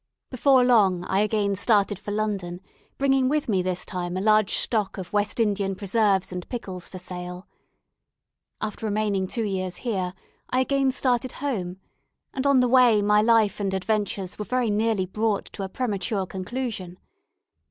Before long I again started for London, bringing with me this time a large stock of West Indian preserves and pickles for sale. After remaining two years here, I again started home; and on the way my life and adventures were very nearly brought to a premature conclusion.